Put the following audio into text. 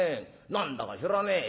何だか知らねええ？